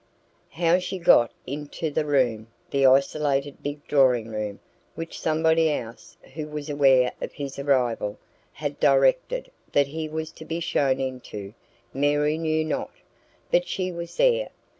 How she got into the room the isolated big drawing room, which somebody else, who was aware of his arrival, had directed that he was to be shown into Mary knew not; but she was there.